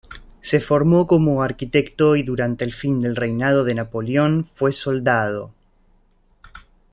Se formó como arquitecto y durante el fin del reinado de Napoleón fue soldado.